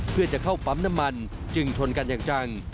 เพื่อจะเข้าปั๊มน้ำมันจึงชนกันอย่างจัง